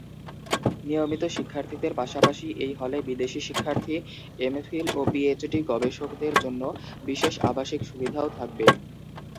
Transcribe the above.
নিয়মিত শিক্ষার্থীদের পাশাপাশি এই হলে বিদেশি শিক্ষার্থী, এমফিল ও পিএইচডি গবেষকদের জন্য বিশেষ আবাসিক সুবিধাও থাকবে।